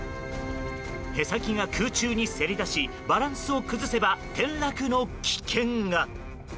舳先が空中にせり出しバランスを崩せば転落の危険が。